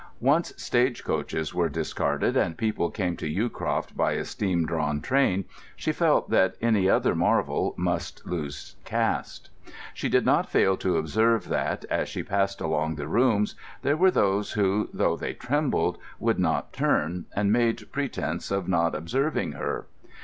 Once stage coaches were discarded, and people came to Yewcroft by a steam drawn train, she felt that any other marvel must lose caste. She did not fail to observe that, as she passed along the rooms, there were those who, though they trembled, would not turn, and made pretence of not observing her.